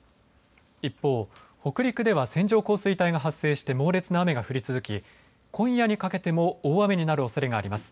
一方、北陸では線状降水帯が発生して猛烈な雨が降り続き今夜にかけても大雨になるおそれがあります。